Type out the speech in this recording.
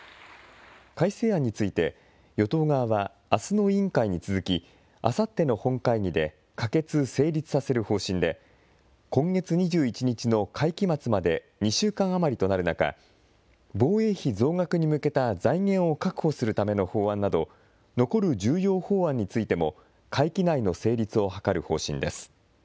改正案について、与党側はあすの委員会に続き、あさっての本会議で可決・成立させる方針で、今月２１日の会期末まで２週間余りとなる中、防衛費増額に向けた財源を確保するための法案など、残る重要法案についても会期内の成立を図る方針です。